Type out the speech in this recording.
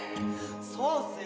そうっすよ